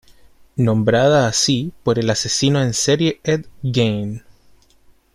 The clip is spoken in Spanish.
Nombrada así por el asesino en serie Ed Gein.